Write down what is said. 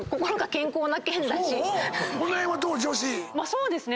そうですね。